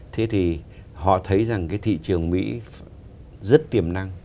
thế thì họ thấy rằng cái thị trường mỹ rất tiềm năng